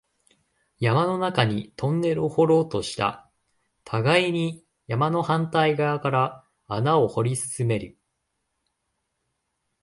山の中にトンネルを掘ろうとした、互いに山の反対側から穴を掘り進める